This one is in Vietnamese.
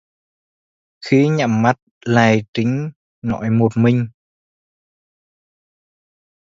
Khi nhắm mắt lại Trinh nói một mình